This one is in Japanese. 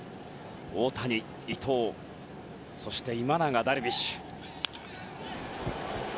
大谷、伊藤そして今永、ダルビッシュ。